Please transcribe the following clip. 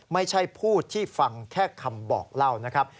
ไม่ใช่ผู้ที่ฟังแค่คำบอกเล่านะครับ